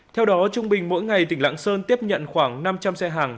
theo đó trung bình mỗi ngày tỉnh lãng sơn tiếp nhận khoảng năm trăm linh xe hàng